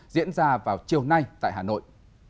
diễn ra vào chiều nay tại hà nội